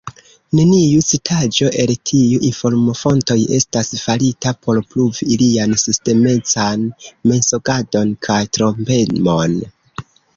Neniu citaĵo el tiuj informofontoj estas farita por pruvi ilian sistemecan mensogadon kaj trompemon.